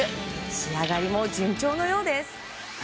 仕上がりも順調のようです。